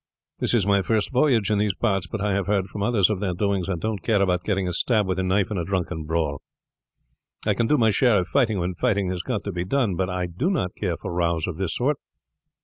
This is my first voyage in these parts; but I have heard from others of their doings, and don't care about getting a stab with a knife in a drunken brawl. I can do my share of fighting when fighting has got to be done, but I do not care for rows of this sort.